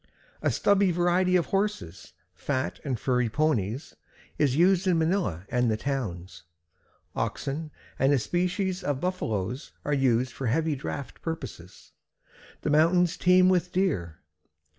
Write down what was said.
A stubby variety of horses, fat and furry ponies, is used in Manila and towns. Oxen and a species of Buffaloes are used for heavy draft purposes. The mountains teem with deer.